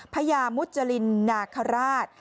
พญามุจรินนาคาราช